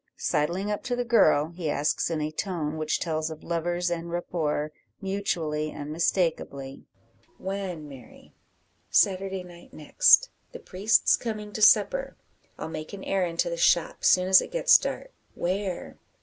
Sidling up to the girl, he asks in a tone which tells of lovers en rapport, mutually, unmistakably "When, Mary?" "Saturday night next. The priest's coming to supper. I'll make an errand to the shop, soon as it gets dark." "Where?"